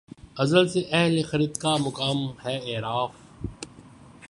ازل سے اہل خرد کا مقام ہے اعراف